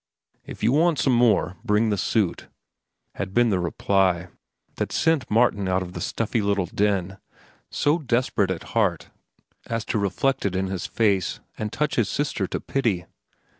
"If you want some more, bring the suit," had been the reply that sent Martin out of the stuffy little den, so desperate at heart as to reflect it in his face and touch his sister to pity.